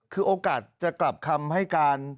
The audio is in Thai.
คือโอกาสจะกลับคำให้การ